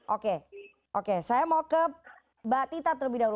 oke oke saya mau ke mbak tita terlebih dahulu